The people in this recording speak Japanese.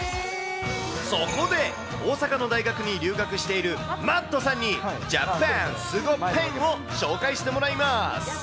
そこで、大阪の大学に留学しているマットさんに、ＪＡＰＡＮスゴＰＥＮを紹介してもらいます。